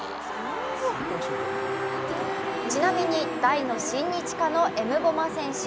ちなみに大の親日家のエムボマ選手。